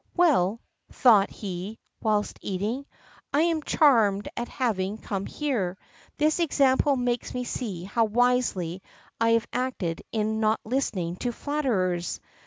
"Well," thought he, whilst eating, "I am charmed at having come here. This example makes me see how wisely I have acted in not listening to flatterers.